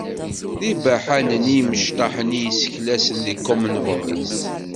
D ibaḥanen yimecṭaḥ-nni i yesseklasen deg common voice.